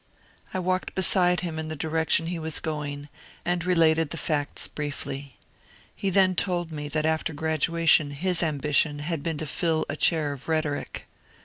I walked beside him in the direction he was going and related the facts briefly. He then told me that after graduation his ambition had been to fill a chair of rhetoric.